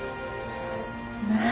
まあ。